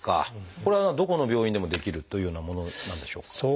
これはどこの病院でもできるというようなものなんでしょうか？